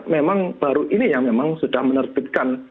memang baru ini yang memang sudah menerbitkan